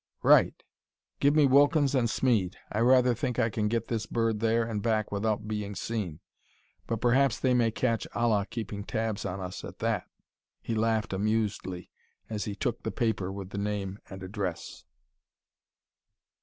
"Right give me Wilkins and Smeed. I rather think I can get this bird there and back without being seen, but perhaps they may catch Allah keeping tabs on us at that." He laughed amusedly as he took the paper with the name and address.